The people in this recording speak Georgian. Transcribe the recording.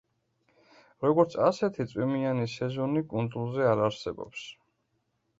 როგორც ასეთი წვიმიანი სეზონი კუნძულზე არ არსებობს.